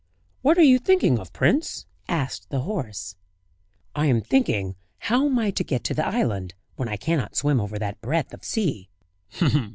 "What are you thinking of, prince?" asked the horse. "I am thinking how I am to get to the island, when I cannot swim over that breadth of sea."